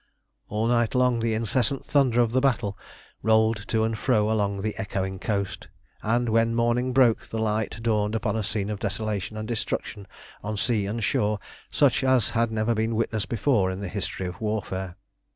All night long the incessant thunder of the battle rolled to and fro along the echoing coast, and when morning broke the light dawned upon a scene of desolation and destruction on sea and shore such as had never been witnessed before in the history of warfare.